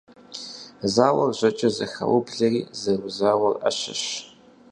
Зауэр жьэкӀэ зэхаублэри зэрызауэр Ӏэщэщ.